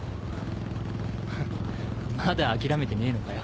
フッまだ諦めてねえのかよ。